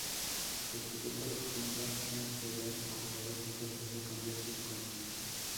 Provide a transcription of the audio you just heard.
Los pilotos Gundam se ven obligados entonces a cambiar sus planes.